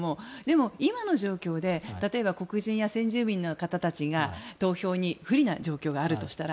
今の状況で例えば黒人や先住民の方たちが投票に不利な状況があるとしたら